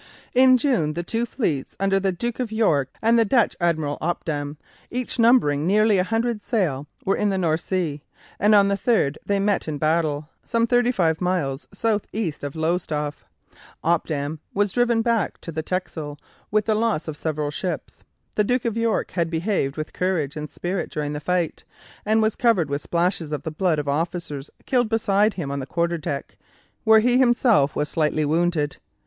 In June the two fleets, under the Duke of York and the Dutch Admiral Opdam, each numbering nearly a hundred sail, were in the North Sea, and on the 3rd they met in battle, some thirty five miles south east of Lowestoft. Opdam was driven back to the Texel with the loss of several ships. The Duke of York had behaved with courage and spirit during the fight, and was covered with splashes of the blood of officers killed beside him on the quarter deck, where he himself was slightly wounded.